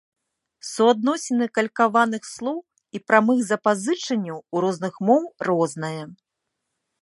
Суадносіны калькаваных слоў і прамых запазычанняў у розных моў рознае.